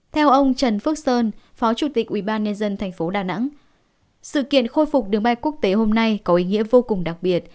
theo ông trần phước sơn phó chủ tịch ubnd tp đà nẵng sự kiện khôi phục đường bay quốc tế hôm nay có ý nghĩa vô cùng đặc biệt